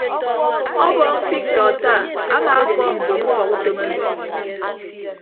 Ọbọọñ fiktọ attah amaakọọm mbon ufọk utom emi.